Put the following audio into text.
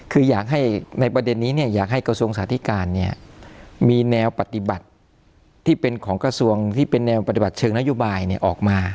คืออยากให้ในประเด็นนี้อยากให้กระทรวงสาธิการมีแนวปฏิบัติที่เป็นของกระทรวงที่เป็นแนวปฏิบัติเชิงนโยบายออกมา